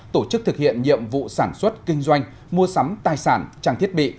tổ chức thực hiện nhiệm vụ sản xuất kinh doanh mua sắm tài sản trang thiết bị